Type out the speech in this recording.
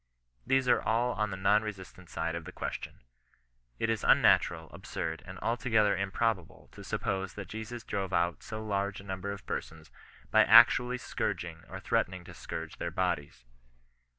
These are all on the non resistant side of the question. It is unna tural, absurd, and altogether improbable, to suppose, that Jesus drove out so large a number of persons, by actually scourging, or threatening to scourge their bodies.